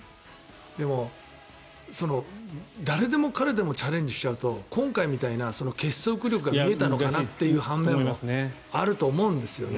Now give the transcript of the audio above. でも、誰でも彼でもチャレンジしちゃうと今回みたいな結束力が見えたのかなという半面もあると思うんですよね。